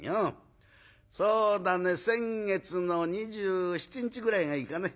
そうだね先月の２７日ぐらいがいいかね。